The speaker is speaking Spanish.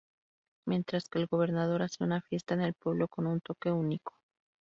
Mientras que el Gobernador hace una fiesta en el pueblo con un toque único.